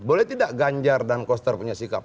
boleh tidak ganjar dan koster punya sikap